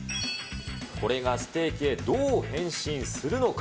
これがステーキへどう変身す